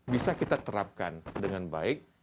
bisa kita terapkan dengan baik